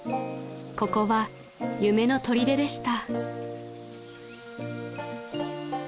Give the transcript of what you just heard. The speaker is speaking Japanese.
［ここは夢のとりででした］